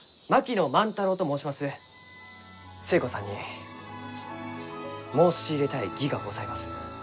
寿恵子さんに申し入れたい儀がございます。